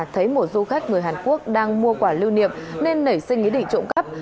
thấy một du khách người hàn quốc đang mua quả lưu niệm nên nảy sinh ý định trộm cắp